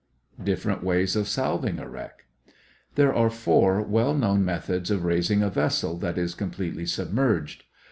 DIFFERENT WAYS OF SALVING A WRECK There are four well known methods of raising a vessel that is completely submerged.